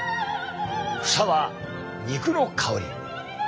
房は肉の香り！